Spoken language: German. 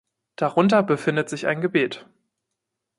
Darunter befindet sich ein Gebet.